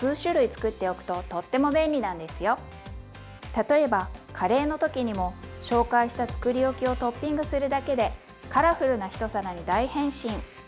例えばカレーの時にも紹介したつくりおきをトッピングするだけでカラフルな１皿に大変身！